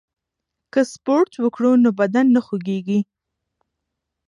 که سپورت وکړو نو بدن نه خوږیږي.